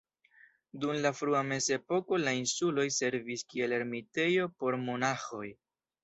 Dum la frua mezepoko la insuloj servis kiel ermitejo por monaĥoj.